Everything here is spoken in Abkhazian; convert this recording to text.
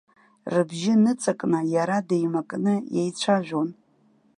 Рыбжьы ныҵакны, иара деимакны иеицәажәон.